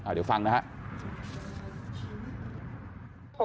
เดี๋ยวฟังนะครับ